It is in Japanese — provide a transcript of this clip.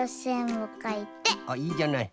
あっいいじゃない。